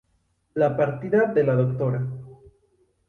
La partida de la Dra.